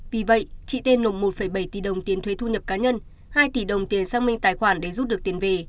vì vậy chị tên nộp một bảy tỷ đồng tiền thuế thu nhập cá nhân hai tỷ đồng tiền sang minh tài khoản để rút được tiền về